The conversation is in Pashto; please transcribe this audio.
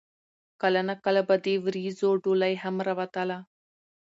کله نا کله به د وريځو ډولۍ هم راوتله